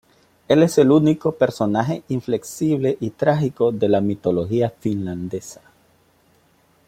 Él es el único personaje inflexible y trágico de la mitología finlandesa.